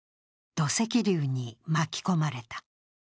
土石流に巻き込まれた。